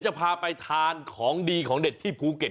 จะพาไปทานของดีของเด็ดที่ภูเก็ต